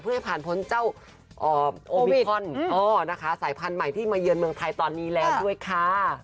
เพื่อให้ผ่านพ้นเจ้าโอมิคอนนะคะสายพันธุ์ใหม่ที่มาเยือนเมืองไทยตอนนี้แล้วด้วยค่ะ